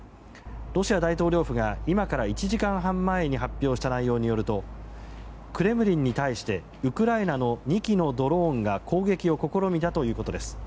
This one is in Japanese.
ロシア大統領府が今から１時間ほど前に発表した内容によるとクレムリンに対してウクライナの２機のドローンが攻撃を試みたということです。